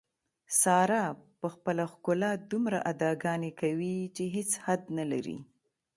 ساره په خپله ښکلا دومره اداګانې کوي، چې هېڅ حد نه لري.